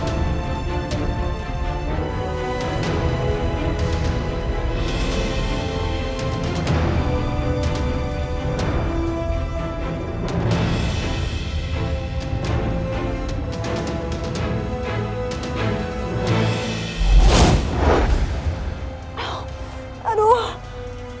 harus kau pertanyakan kembali